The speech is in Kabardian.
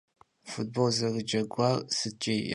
Futbol zerıceguar sıtç'e yauxa?